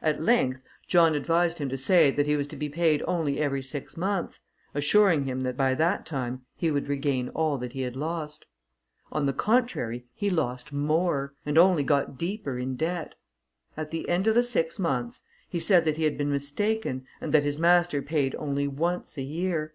At length, John advised him to say, that he was to be paid only every six months, assuring him that by that time he would regain all that he had lost. On the contrary, he lost more, and only got deeper in debt. At the end of the six months, he said that he had been mistaken, and that his master paid only once a year.